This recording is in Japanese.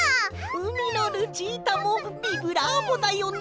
「うみのルチータもビブラーボだよね」。